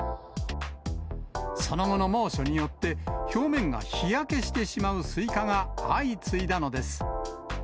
その後の猛暑によって、表面が日焼けしてしまうスイカが相次いだのです。